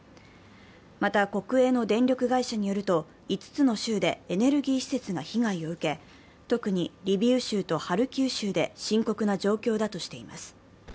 また、国営の電力会社によると５つの州でエネルギー施設が被害を受け、特にリビウ州とハルキウ州で深刻な状況だとしています。